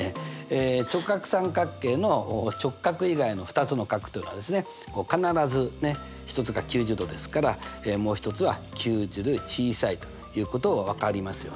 直角三角形の直角以外の２つの角というのは必ず１つが９０°ですからもう一つは９０°より小さいということは分かりますよね。